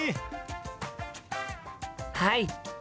はい！